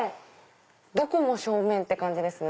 どこも正面って感じですね。